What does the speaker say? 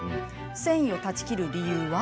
繊維を断ち切る理由は？